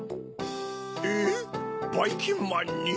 えっばいきんまんに？